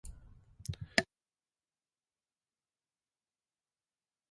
今夜の晩御飯は何ですか？